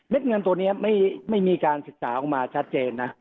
เงินตัวนี้ไม่มีการศึกษาออกมาชัดเจนนะ